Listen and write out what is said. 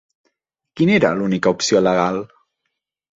Quina era l'única opció legal?